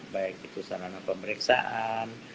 baik itu sarana pemeriksaan